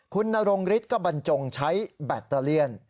คุณนรงฤทธิ์ก็บรรจงใช้แบตเตอเลียน